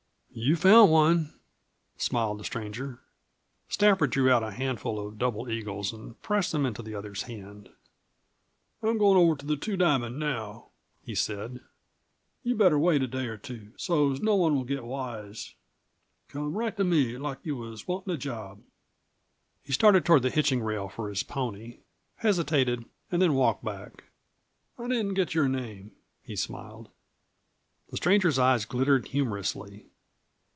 "You've found one," smiled the stranger. Stafford drew out a handful of double eagles and pressed them into the other's hand. "I'm goin' over to the Two Diamond now," he said. "You'd better wait a day or two, so's no one will get wise. Come right to me, like you was wantin' a job." He started toward the hitching rail for his pony, hesitated and then walked back. "I didn't get your name," he smiled. The stranger's eyes glittered humorously.